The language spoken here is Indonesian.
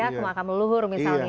ke makam leluhur misalnya